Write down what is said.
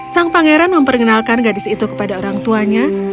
sang pangeran memperkenalkan gadis itu kepada orang tuanya